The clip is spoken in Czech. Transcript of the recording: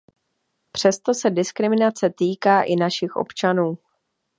Přesto se diskriminace týká i našich občanů.